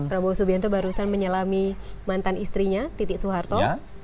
prabowo subianto barusan menyelami mantan istrinya titik soeharto